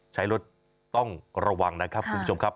ใช้รถต้องระวังนะครับคุณผู้ชมครับ